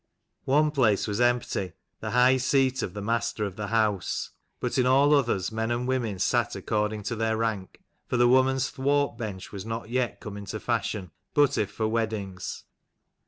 One place was empty, the high seat of the master of the house : but in all others men and women sat according to their rank, for the women's thwart bench was not yet come into fashion, but if for weddings.